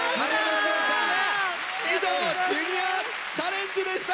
以上「ジュニアチャレンジ」でした。